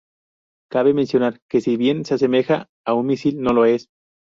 Cabe mencionar que si bien se asemeja a un misil no lo es.